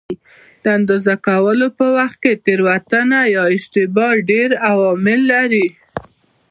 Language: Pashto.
د اندازه کولو په وخت کې تېروتنه یا اشتباه ډېر عوامل لري.